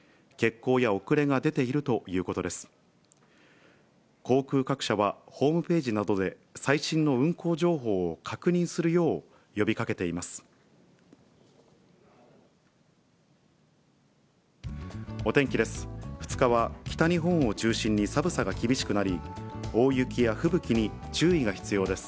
航空各社は、ホームページなどで最新の運航情報を確認するよう呼びかけています。